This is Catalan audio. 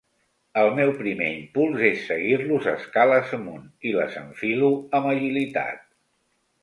El meu primer impuls és seguir-los escales amunt, i les enfilo amb agilitat.